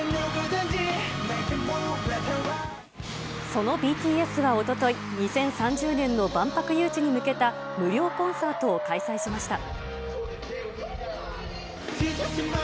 そのＢＴＳがおととい、２０３０年の万博誘致に向けた無料コンサートを開催しました。